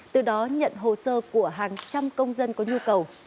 từ đó nhận hồ sơ của hàng trăm công dân có nhu cầu